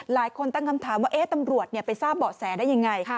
หลายคนตั้งคำถามว่าตำรวจไปทราบเบาะแสได้ยังไง